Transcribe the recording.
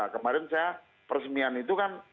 kemarin saya persemian itu kan